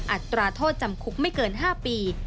อัตราโทษจำคุกไม่เกิน๕ปี